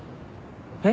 えっ？